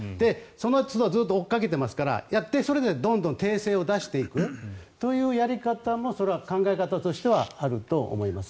そのつどずっと追いかけていますからやって、それでどんどん訂正を出していくというやり方もそれは考え方としてはあると思います。